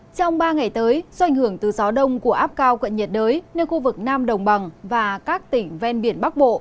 trong ba ngày tới do ảnh hưởng từ gió đông của áp cao cận nhiệt đới nên khu vực nam đồng bằng và các tỉnh ven biển bắc bộ